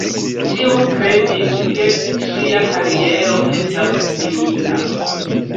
Ĉiu kredis, ke ŝia kariero estas finita.